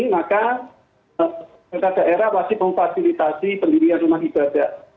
maka pemerintah daerah masih memfasilitasi pendirian rumah ibadah